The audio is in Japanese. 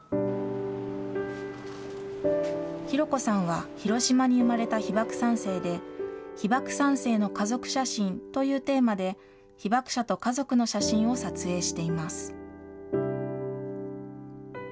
紘子さんは広島に生まれた被爆三世で、被爆三世の家族写真というテーマで、被爆者と家族の写真を撮影しています。